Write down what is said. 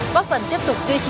bóp phần tiếp tục duy trì